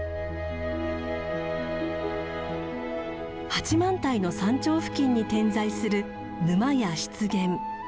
八幡平の山頂付近に点在する沼や湿原。